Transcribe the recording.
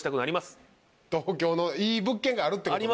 東京のいい物件があるってこと？